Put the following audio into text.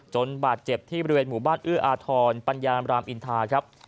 บาดเจ็บที่บริเวณหมู่บ้านเอื้ออาทรปัญญามรามอินทาครับ